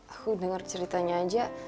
aku dengar ceritanya aja